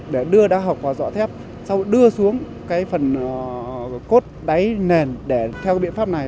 để đưa đa học vào rõ thép sau đó đưa xuống cái phần cốt đáy nền để theo cái biện pháp này